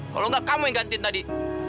kalau enggak kamu yang gantiin tadi